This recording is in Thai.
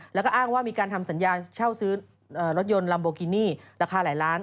แล้วก็อ้างว่ามีการทำสัญญาณเช่าซื้อรถยนต์ลัมโบกินี่ราคาหลายล้าน